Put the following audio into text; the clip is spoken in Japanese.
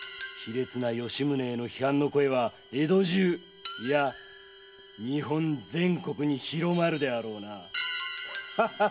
卑劣な吉宗への批判の声は江戸中いや日本全国に広まるであろうな。